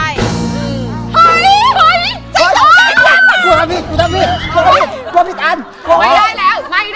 อยู่ว่าใช่